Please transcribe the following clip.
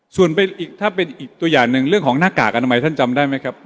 ส่วนถ้าเป็นอีกตัวอย่างหนึ่งเรื่องของหน้ากากอนามัยท่านจำได้ไหมครับ